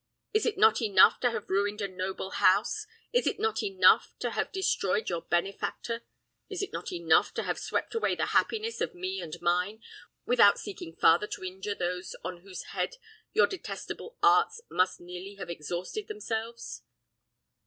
Is it not enough to have ruined a noble house? Is it not enough to have destroyed your benefactor? Is it not enough to have swept away the happiness of me and mine, without seeking farther to injure those on whose head your detestable arts must nearly have exhausted themselves?"